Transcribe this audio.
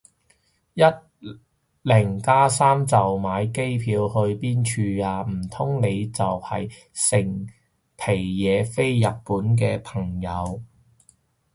一零加三就買機票去邊處啊？唔通你就係成皮嘢飛日本嘅朋友